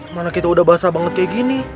malah kita udah basah banget kayak gini